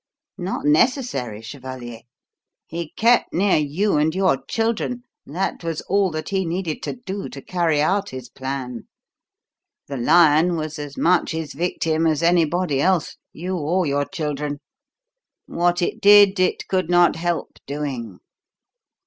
"Not necessary, chevalier. He kept near you and your children; that was all that he needed to do to carry out his plan. The lion was as much his victim as anybody else you or your children. What it did it could not help doing.